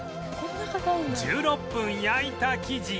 １６分焼いた生地に